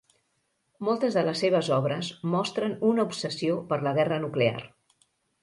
Moltes de les seves obres mostren una obsessió per la guerra nuclear.